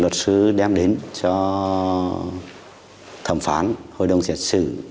luật sư đem đến cho thẩm phán hội đồng xét xử